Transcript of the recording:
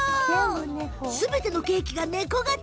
すべてのケーキが猫形。